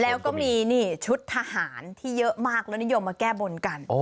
แล้วก็มีนี่ชุดทหารที่เยอะมากแล้วนิยมมาแก้บนกัน